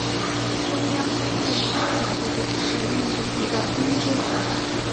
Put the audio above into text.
中央工业安全部队是印度一个分支。